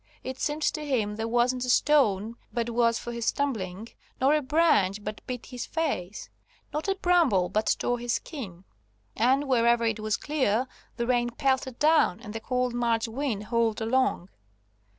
It seemed to him there wasn't a stone but was for his stumbling, not a branch but beat his face, not a bramble but tore his skin. And wherever it was clear the rain pelted down and the cold March wind howled along.